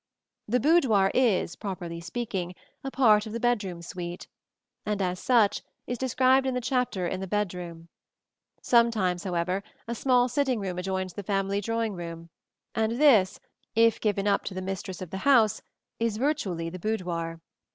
The boudoir is, properly speaking, a part of the bedroom suite, and as such is described in the chapter on the Bedroom. Sometimes, however, a small sitting room adjoins the family drawing room, and this, if given up to the mistress of the house, is virtually the boudoir.